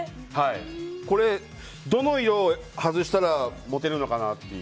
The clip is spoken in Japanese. これ、どこの色を外したらモテるのかなって。